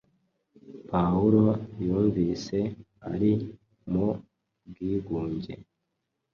Pawulo yumvise ari mu bwigunge.